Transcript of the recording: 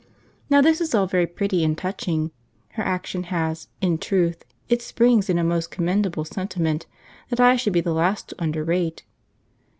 Now this is all very pretty and touching. Her action has, in truth, its springs in a most commendable sentiment that I should be the last to underrate.